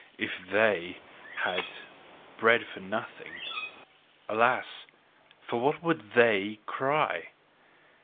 If THEY had bread for nothing, alas! for what would THEY cry!